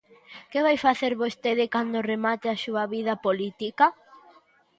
¿Que vai facer vostede cando remate a súa vida política?